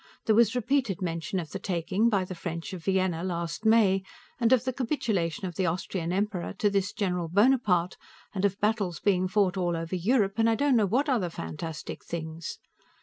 There was repeated mention of the taking, by the French, of Vienna, last May, and of the capitulation of the Austrian Emperor to this General Bonaparte, and of battles being fought all over Europe, and I don't know what other fantastic things.